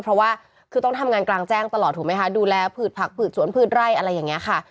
เพราะว่าคือต้องทำงานกลางแจ้งตลอดถูกไหมคะดูแลผืดผักผืดสวนผืดไร่อะไรอย่างนี้ค่ะ